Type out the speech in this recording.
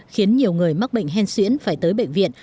khiến nhiều người mắc bệnh hen xuyễn phải tới bệnh viện